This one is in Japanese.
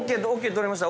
取れました。